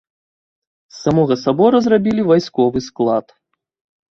З самога сабора зрабілі вайсковы склад.